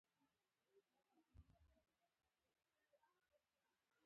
د افغانیت پر نوم طالبانو خپلې ګټې ترلاسه کړې دي.